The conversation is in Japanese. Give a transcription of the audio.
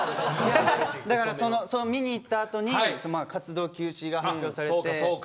だから見に行ったあとに活動休止が発表されて。